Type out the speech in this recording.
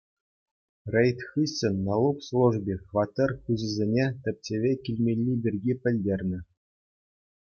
Рейд хыҫҫӑн налук служби хваттер хуҫисене тӗпчеве килмелли пирки пӗлтернӗ.